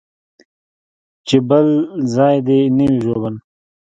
چې بل ځاى دې نه دى ژوبل.